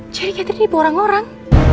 jadi catherine ini berorang orang